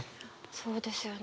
そうですよね。